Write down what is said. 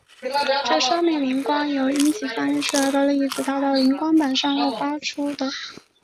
这说明磷光是由阴极发射出来的粒子打到磷光板上后发出的。